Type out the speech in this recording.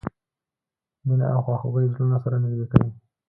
مینه او خواخوږي زړونه سره نږدې کوي.